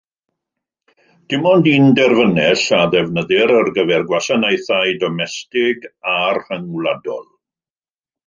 Dim ond un derfynell a ddefnyddir ar gyfer gwasanaethau domestig a rhyngwladol.